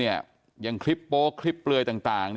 อย่างคลิปโป๊คลิปเปลือยต่าง